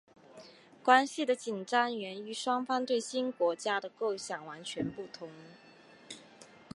关系的紧张源于双方对新国家的构想完全不同。